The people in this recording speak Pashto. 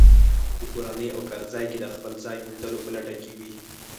په کورنۍ او کارځای کې د خپل ځای موندلو په لټه کې وي.